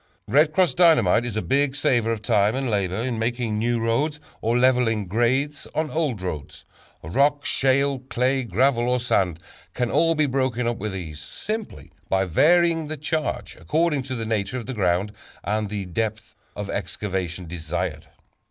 "Red Cross" Dynamite is a big saver of time and labor in making new roads, or leveling grades on old roads. Rock, shale, clay, gravel or sand, can all be broken up with ease, simply by varying the charge according to the nature of the ground and the depth of excavation desired.